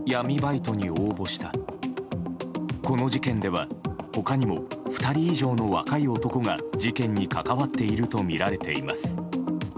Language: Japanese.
この事件では他にも２人以上の若い男が事件に関わっているとみられています。